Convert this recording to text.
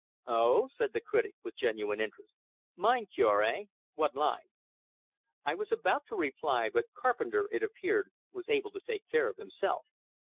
"Oh!" said the critic, with genuine interest. "Mind cure, hey? What line?" I was about to reply, but Carpenter, it appeared, was able to take care of himself.